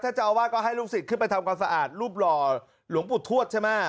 เจ้าอาวาสก็ให้ลูกศิษย์ขึ้นไปทำความสะอาดรูปหล่อหลวงปู่ทวดใช่ไหม